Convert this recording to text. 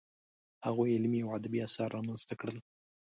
هغوی علمي او ادبي اثار رامنځته کړل.